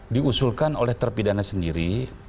diusulkan oleh terpidana sendiri